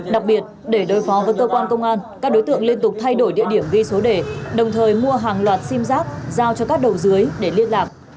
đặc biệt để đối phó với cơ quan công an các đối tượng liên tục thay đổi địa điểm ghi số đề đồng thời mua hàng loạt sim giác giao cho các đầu dưới để liên lạc